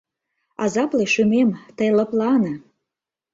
Азапле шӱмем, тый лыплане.